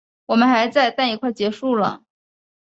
我们还在，但也快结束了